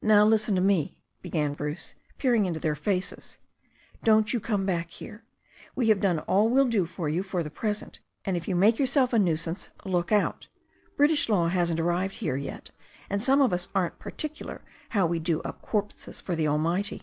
"Now, listen to me," began Bruce, peering into their faces, "don't you come back here. We have done all we'll do for the present, and if you make yourself a nuisance look out! British law hasn't arrived here yet, and some of us aren't particular how we do up corpses for the Almighty.